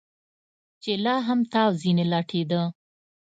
چې لا هم تاو ځنې لټېده.